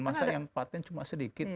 masa yang patent cuma sedikit